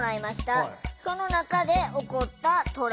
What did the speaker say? その中で起こったトラブルです。